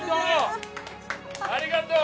ありがとう！